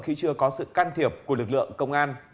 khi chưa có sự can thiệp của lực lượng công an